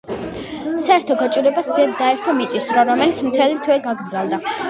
საერთო გაჭირვებას ზედ დაერთო მიწისძვრა, რომელიც მთელი თვე გაგრძელდა.